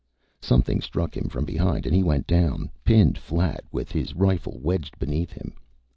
Something struck him from behind and he went down, pinned flat, with his rifle wedged beneath him.